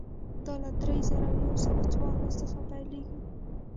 دا له درې زره یو سل څوارلس څخه پیلېږي.